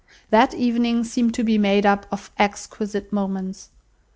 That evening seemed to be made up of exquisite moments.